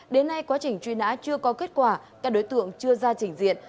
đến nay quá trình truy nã chưa có kết quả các đối tượng chưa ra trình diện